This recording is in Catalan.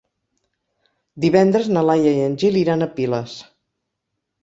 Divendres na Laia i en Gil iran a Piles.